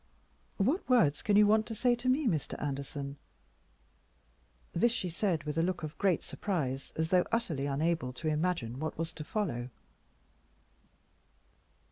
"What words can you want to say to me, Mr. Anderson?" This she said with a look of great surprise, as though utterly unable to imagine what was to follow.